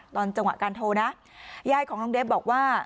ตอนจังหวะการโทรนะยายของน้องเดฟบอกว่า